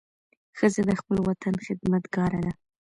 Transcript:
ښځه د خپل وطن خدمتګاره ده.